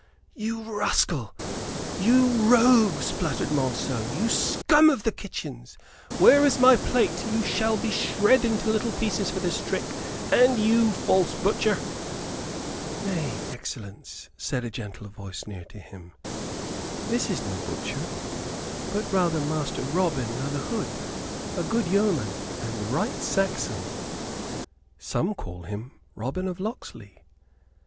"You rascal! you rogue!" spluttered Monceux. "You scum of the kitchens! Where is my plate? You shall be shred into little pieces for this trick, and you also, false butcher." "Nay, excellence," said a gentle voice near to him, "this is no butcher; but rather Master Robin o' th' Hood, a good yeoman and right Saxon. Some call him Robin of Locksley.